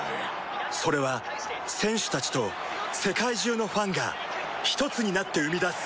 それは選手たちと世界中のファンがひとつになって生み出す